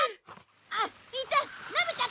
あっいた。